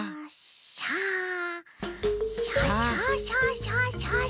シャシャシャシャシャシャ。